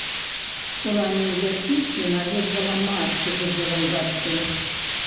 У раннім дзяцінстве наведвала матчы з удзелам бацькі.